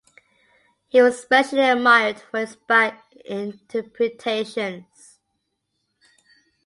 He was especially admired for his Bach interpretations.